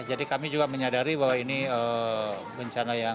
jadi kami juga menyadari bahwa ini bencana yang